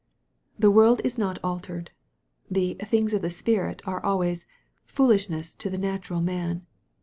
The world is not altered. The " things of the Spirit" are always "fool ishness to the natural man."